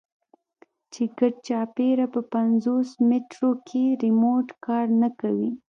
چې ګردچاپېره په پينځوس مټرو کښې ريموټ کار نه کوي.